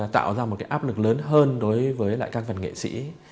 tạo ra một cái áp lực lớn hơn đối với lại các văn nghệ sĩ